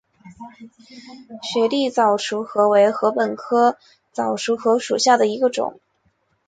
雪地早熟禾为禾本科早熟禾属下的一个种。